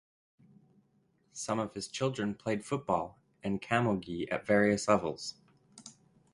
Some of his children played football and camogie at various levels.